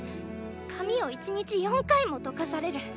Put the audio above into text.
髪を一日４回もとかされる。